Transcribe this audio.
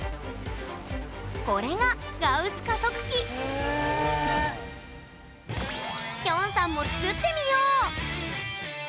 これがガウス加速機きょんさんも作ってみよう！